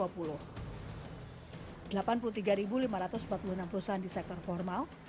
delapan puluh tiga lima ratus empat puluh enam perusahaan di sektor formal